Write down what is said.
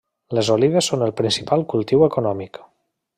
Les olives són el principal cultiu econòmic.